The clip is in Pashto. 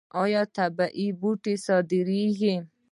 آیا طبیعي بوټي صادریږي؟